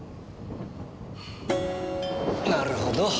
なるほど。